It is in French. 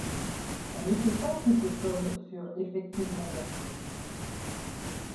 On ne sait pas si ces sommes furent effectivement versées.